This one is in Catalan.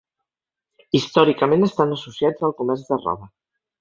Històricament estan associats al comerç de roba.